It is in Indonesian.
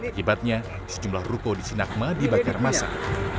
akibatnya sejumlah ruko di sinagma dibakar masa